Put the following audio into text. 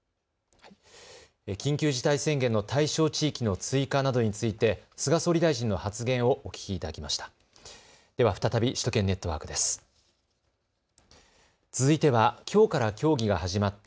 緊急事態宣言の対象地域の追加などについて菅総理大臣の発言をお聞きいただきました。